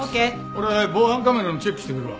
俺は防犯カメラのチェックしてくるわ。